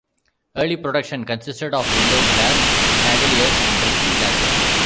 Early production consisted of window glass, chandeliers and drinking glasses.